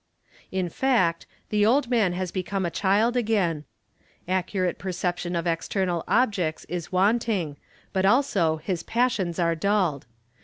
In fact, the old man has become a child again ; accurate perception of external objects is wanting but also his passions are dulled.